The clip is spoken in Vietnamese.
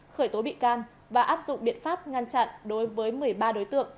khởi tố bị can và áp dụng biện pháp ngăn chặn đối với một mươi ba đối tượng